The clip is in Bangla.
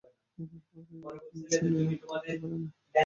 এ ব্যাপারেও কমিশন নীরব থাকতে পারে না।